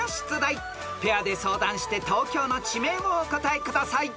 ［ペアで相談して東京の地名をお答えください］